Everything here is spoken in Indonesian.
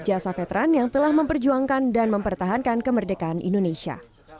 jasa veteran yang telah memperjuangkan dan mempertahankan kemerdekaan indonesia